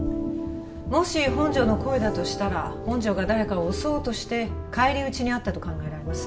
もし本条の声だとしたら本条が誰かを襲おうとして返り討ちにあったと考えられます